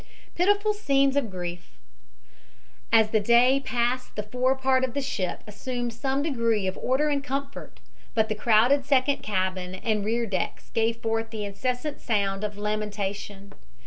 PITIFUL SCENES OF GRIEF As the day passed the fore part of the ship assumed some degree of order and comfort, but the crowded second sabin and rear decks gave forth the incessant sound of lamentation.